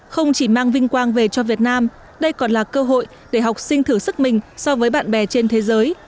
không chỉ mang vinh quang về cho việt nam đây còn là cơ hội để học sinh thử sức mình so với bạn bè trên thế giới